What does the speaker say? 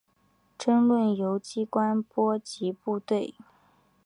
争论由机关波及部队。